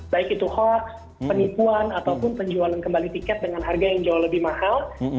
baik itu hoax penipuan ataupun penjualan kembali tiket dengan harga yang jauh lebih mahal